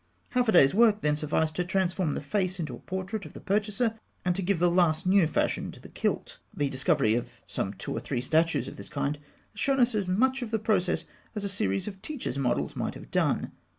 Half a day's work then sufficed to transform the face into a portrait of the purchaser, and to give the last new fashion to the kilt. The discovery of some two or three statues of this kind has shown us as much of the process as a series of teacher's models might have done.